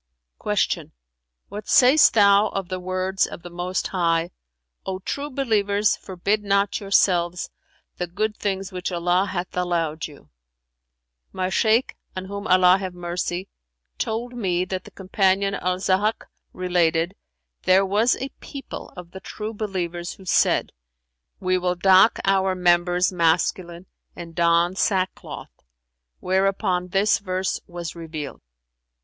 '" Q "What sayst thou of the words of the Most High, 'O true believers, forbid not yourselves the good things which Allah hath allowed you?'"[FN#381] "My Shaykh (on whom Allah have mercy!) told me that the Companion Al Zahhαk related: 'There was a people of the True believers who said, 'We will dock our members masculine and don sackcloth;' whereupon this verse was revealed.